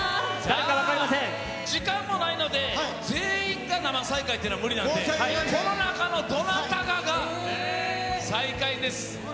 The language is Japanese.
時間もないので、全員が生再会というのは無理なので、この中のどなたかが再会です。